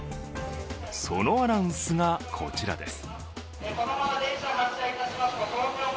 そのアナウンスがこちらです。